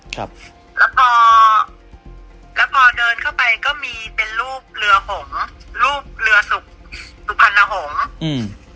ครับแล้วพอแล้วพอเดินเข้าไปก็มีเป็นรูปเรือหงรูปเรือสุกสุพรรณหงษ์อืม